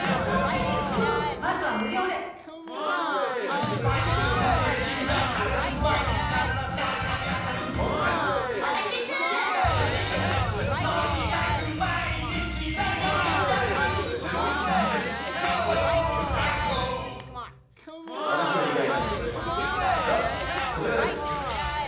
続く私の意外なツーショット写真がこちらです。